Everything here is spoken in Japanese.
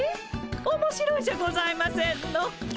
おもしろいじゃございませんの。